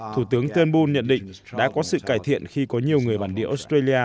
thủ tướng thuên bùn nhận định đã có sự cải thiện khi có nhiều người bản địa australia